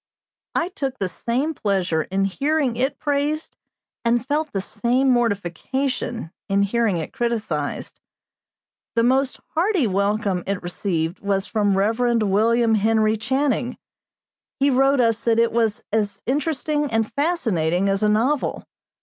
I took the same pleasure in hearing it praised and felt the same mortification in hearing it criticised. The most hearty welcome it received was from Rev. William Henry Channing. He wrote us that it was as interesting and fascinating as a novel.